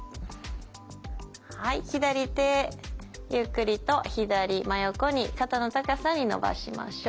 はい左手ゆっくりと左真横に肩の高さに伸ばしましょう。